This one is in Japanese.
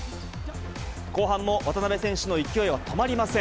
後半も渡邊選手の勢いは止まりません。